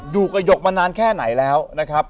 อยู่กับหยกมานานแค่ไหนแล้วนะครับ